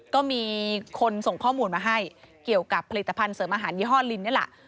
ก็มีคนส่งข้อมูลมาให้เกี่ยวกับผลิตภัณฑ์เสริมอาหารยี่ห้อลินนี่แหละ